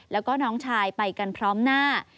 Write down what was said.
แล้วก็น้องชายไปกันพร้อมหน้า